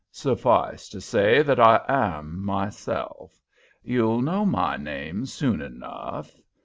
"Suffice to say that I am myself. You'll know my name soon enough.